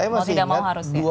kalau tidak mau harus ya